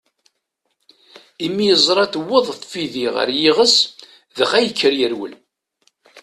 Imi yeẓra tewweḍ tfidi ɣer yiɣes, dɣa yekker yerwel.